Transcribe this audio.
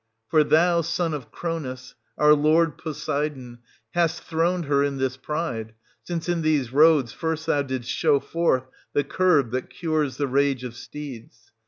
For thou, son of Cronus, our lord Poseidon, hast throned her in this pride, since in these roads first thou didst show forth the curb that cures the rage of steeds.